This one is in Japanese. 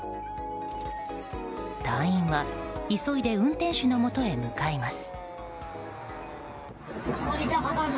隊員は急いで運転手のもとへ向かいます。